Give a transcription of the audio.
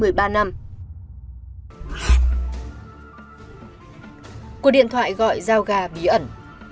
cuộc điện thoại gọi giao gà bí ẩn